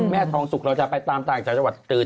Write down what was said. แม่ทองสุกเราจะไปตามต่างจังหวัดตื่น